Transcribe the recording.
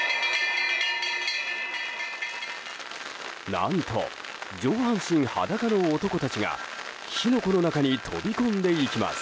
何と上半身裸の男たちが火の粉の中に飛び込んでいきます。